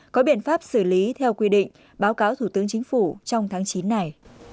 có biện pháp xử lý theo quy định báo cáo thủ tướng chính phủ trong tháng chín này